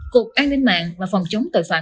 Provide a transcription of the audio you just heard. cục an ninh mạng và phòng chống tội phạm